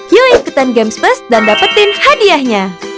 yuk ikutan games plus dan dapetin hadiahnya